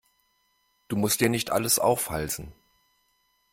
Du musst dir nicht alles aufhalsen.